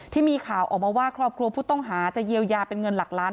ที่มีข่าวออกมาว่าครอบครัวผู้ต้องหาจะเยียวยาเป็นเงินหลักล้าน